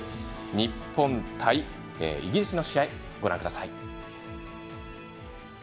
日本対イギリスの試合ご覧ください。